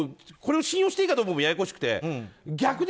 これを信用していいかもややこしくて。